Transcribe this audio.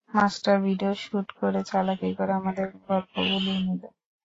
Master, video shoot করে চালাকি করে আমাদের গল্প বলিয়ে নিলেন।